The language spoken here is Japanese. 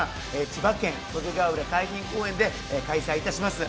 千葉県袖ケ浦海浜公園で開催いたします